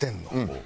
うん。